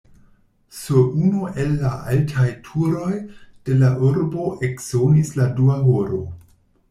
Sur unu el la altaj turoj de la urbo eksonis la dua horo.